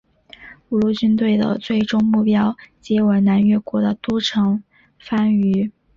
五路军队的最终目标皆为南越国的都城番禺。